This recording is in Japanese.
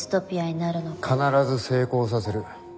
必ず成功させる。